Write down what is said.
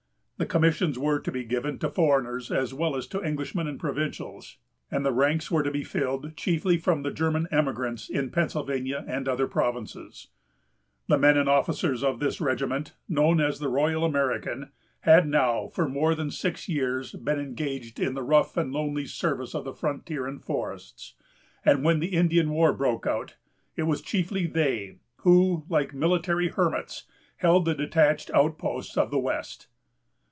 The commissions were to be given to foreigners as well as to Englishmen and provincials; and the ranks were to be filled chiefly from the German emigrants in Pennsylvania and other provinces. The men and officers of this regiment, known as the "Royal American," had now, for more than six years, been engaged in the rough and lonely service of the frontiers and forests; and when the Indian war broke out, it was chiefly they, who, like military hermits, held the detached outposts of the West.